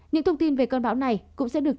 những thông tin về cơn bão này cũng sẽ được